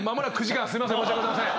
すいません申し訳ございません。